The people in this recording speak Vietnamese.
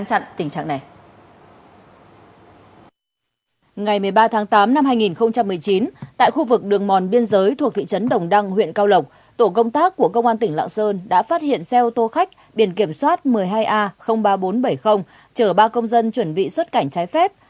hôm hai nghìn một mươi chín tại khu vực đường mòn biên giới thuộc thị trấn đồng đăng huyện cao lộc tổ công tác của công an tỉnh lạng sơn đã phát hiện xe ô tô khách biển kiểm soát một mươi hai a ba nghìn bốn trăm bảy mươi chở ba công dân chuẩn bị xuất cảnh trái phép